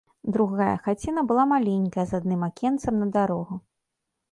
Другая хаціна была маленькая, з адным акенцам на дарогу.